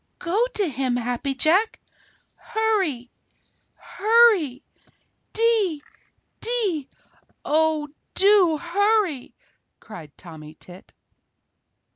Go to him, Happy Jack! Hurry! Hurry! Dee, dee, dee, oh, do hurry!" cried Tommy Tit.